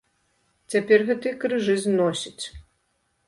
Цяпер гэтыя крыжы зносяць.